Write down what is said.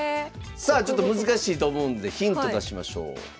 さあちょっと難しいと思うんでヒント出しましょう。